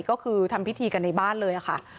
ก็คือทำพิธีกันในบ้านเลยค่ะ